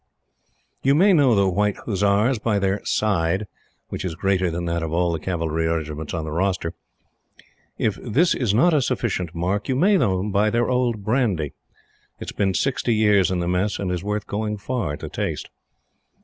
You may know the White Hussars by their "side," which is greater than that of all the Cavalry Regiments on the roster. If this is not a sufficient mark, you may know them by their old brandy. It has been sixty years in the Mess and is worth going far to taste.